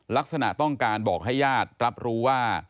ลักษณะต้องการบอกให้ญาติรับรู้ว่า